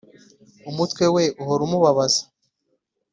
umutwe we uhora umubabaza.